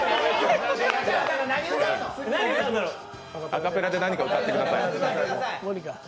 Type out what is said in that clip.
アカペラで何か歌ってください。